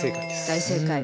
大正解。